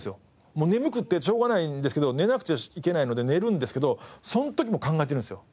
もう眠くてしょうがないんですけど寝なくちゃいけないので寝るんですけどその時も考えてるんですよ。